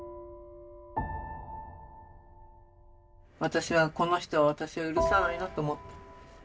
私はこの人は私を許さないなと思った。